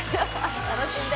楽しんで。